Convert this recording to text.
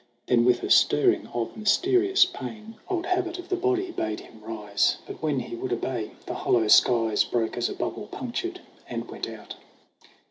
Then with a stirring of mysterious pain, 26 THE AWAKENING 27 Old habit of the body bade him rise; But when he would obey, the hollow skies Broke as a bubble punctured, and went out.